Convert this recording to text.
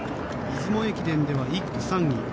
出雲駅伝では１区３位。